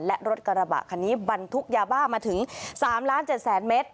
และรถกระบะคันนี้บรรทุกยาบ้ามาถึง๓๗๐๐๐เมตร